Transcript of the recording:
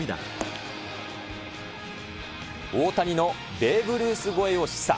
大谷のベーブ・ルース超えを示唆。